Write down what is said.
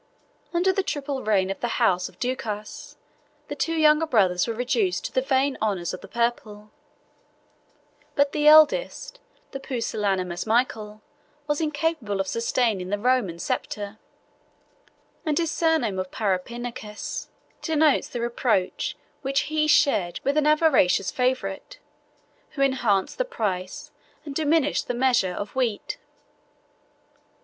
Under the triple reign of the house of Ducas, the two younger brothers were reduced to the vain honors of the purple; but the eldest, the pusillanimous Michael, was incapable of sustaining the Roman sceptre; and his surname of Parapinaces denotes the reproach which he shared with an avaricious favorite, who enhanced the price, and diminished the measure, of wheat.